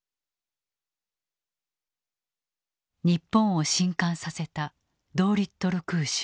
日本を震撼させたドーリットル空襲。